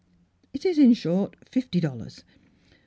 It is, in short, fifty dollars.